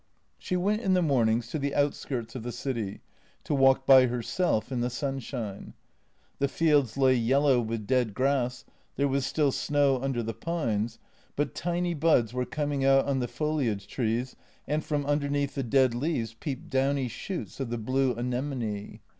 She went in the mornings to the outskirts of the city — to walk by herself in the sunshine. The fields lay yellow with dead grass, there was still snow under the pines, but tiny buds were coming out on the foliage trees and from underneath the dead leaves peeped downy shoots of the blue anemone.